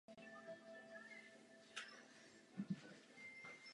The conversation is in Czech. Za skutky ve válce s Maury je zvolen velmistrem Řádu německých rytířů.